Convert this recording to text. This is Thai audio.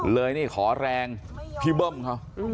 เลยนี่ขอแรงพี่เบิ้มเขา